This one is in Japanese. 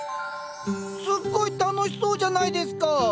すっごい楽しそうじゃないですか！